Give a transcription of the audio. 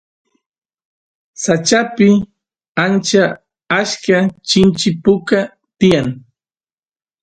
sachapi ancha achka chinchi puka tiyan